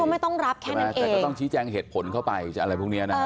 ไม่ต้องรับแค่ใช่ไหมแต่ก็ต้องชี้แจงเหตุผลเข้าไปอะไรพวกนี้นะ